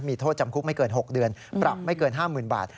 มีโทษจำคุกไม่เกิน๖เดือนปรับไม่เกิน๕๐๐๐บาท